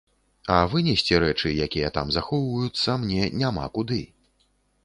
А вынесці рэчы, якія там захоўваюцца, мне няма куды.